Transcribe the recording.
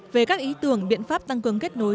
về các ý tưởng biện pháp tăng cường kết nối